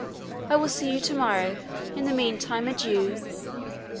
I will see you to morrow; in the meantime, adieu!"